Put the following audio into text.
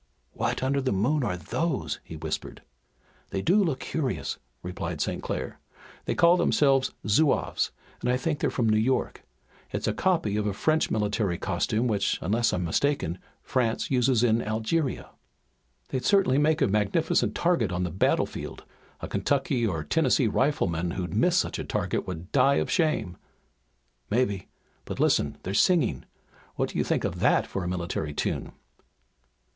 "What under the moon are those?" he whispered. "They do look curious," replied St. Clair. "They call them Zouaves, and I think they're from New York. It's a copy of a French military costume which, unless I'm mistaken, France uses in Algeria." "They'd certainly make a magnificent target on the battlefield. A Kentucky or Tennessee rifleman who'd miss such a target would die of shame." "Maybe. But listen, they're singing! What do you think of that for a military tune?"